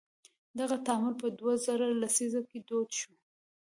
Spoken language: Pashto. دغه تعامل په دوه زره لسیزه کې دود شو.